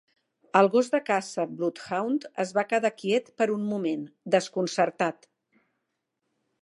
El gos de caça bloodhound es va quedar quiet per un moment, desconcertat.